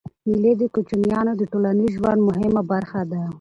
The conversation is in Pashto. مېلې د کوچنيانو د ټولنیز ژوند مهمه برخه ده.